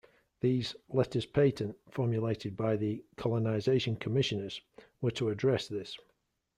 These "Letters Patent" formulated by the "Colonisation Commissioners" were to address this.